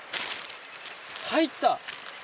入った！